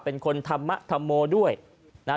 เป็นคนธรรมธรรโมด้วยนะฮะ